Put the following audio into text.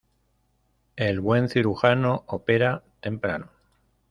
El buen cirujano opera temprano.